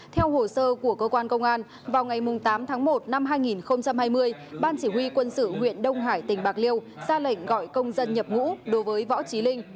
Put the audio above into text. theo hồ sơ của cơ quan công an vào ngày tám tháng một năm hai nghìn hai mươi ban chỉ huy quân sự huyện đông hải tỉnh bạc liêu ra lệnh gọi công dân nhập ngũ đối với võ trí linh